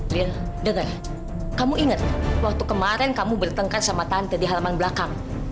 lian dengar kamu ingat waktu kemarin kamu bertengkar sama tante di halaman belakang